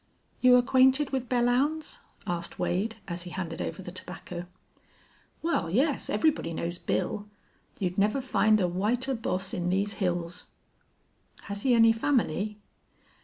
"You acquainted with Belllounds?" asked Wade, as he handed over the tobacco. "Wal, yes, everybody knows Bill. You'd never find a whiter boss in these hills." "Has he any family?"